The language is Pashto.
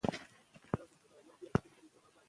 ایا نجونې خپل نظر شریکولی شي؟